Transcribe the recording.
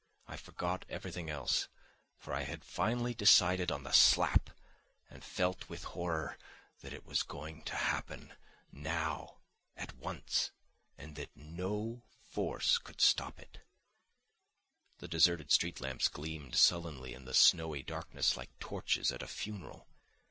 I forgot everything else, for I had finally decided on the slap, and felt with horror that it was going to happen now, at once, and that no force could stop it. The deserted street lamps gleamed sullenly in the snowy darkness like torches at a funeral.